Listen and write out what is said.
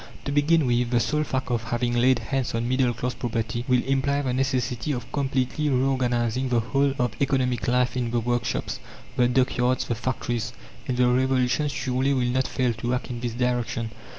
To begin with, the sole fact of having laid hands on middle class property will imply the necessity of completely reorganizing the whole of economic life in the workshops, the dockyards, the factories. And the revolution surely will not fail to act in this direction.